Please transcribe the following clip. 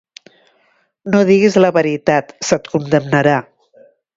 No diguis la veritat, se't condemnarà!